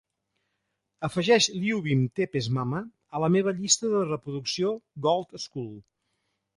afegeix Ljubim te pesmama a la meva llista de reproducció Gold School